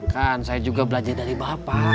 kan saya juga belajar dari bapak